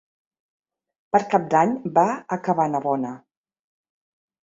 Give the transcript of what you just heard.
Per Cap d'Any va a Cabanabona.